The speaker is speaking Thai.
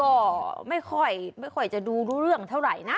ก็ไม่ค่อยจะดูรู้เรื่องเท่าไหร่นะ